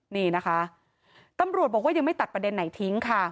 นี่นะคะตำรวจบอกว่ายังไม่ตัดประเด็นไหนทิ้งค่ะ